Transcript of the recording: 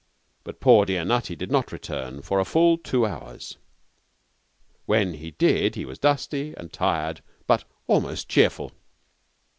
But poor, dear Nutty did not return for a full two hours. When he did he was dusty and tired, but almost cheerful.